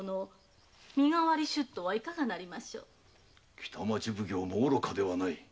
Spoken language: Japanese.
北町奉行も愚かではない。